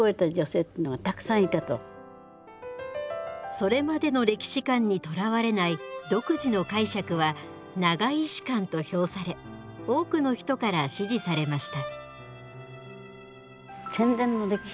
それまでの歴史観にとらわれない独自の解釈は永井史観と評され多くの人から支持されました。